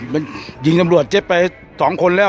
บอสใจต่อภัย